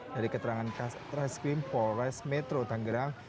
dari keterangan reskrim polres metro tanggerang